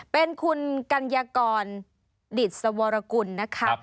เป็นคุณกัญญากรดิตสวรกุลนะครับ